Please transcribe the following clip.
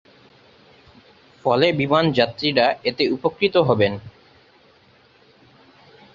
ফলে বিমান যাত্রীরা এতে উপকৃত হবেন।